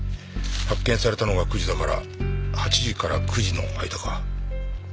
発見されたのが９時だから８時から９時の間か。